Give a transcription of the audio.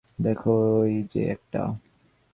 দেখো, ওই যে একটা।